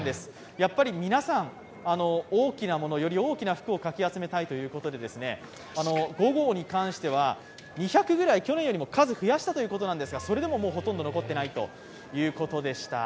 やっぱり皆さん、大きなもの、より大きな福をかき集めたいということで５号に関しては２００ぐらい去年よりも数を増やしたということなんですがそれでも、ほとんど残っていないということでした。